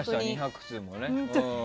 ２００通もね。